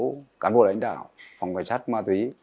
các cán bộ lãnh đạo phòng cảnh sát ma túy